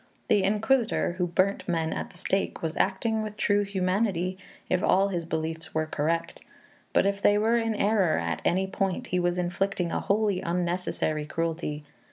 The Inquisitor who burnt men at the stake was acting with true humanity if all his beliefs were correct; but if they were in error at any point, he was inflicting a wholly unnecessary cruelty.